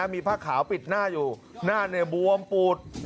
มีผ้าขาวปิดหน้าอยู่หน้าบวมปูด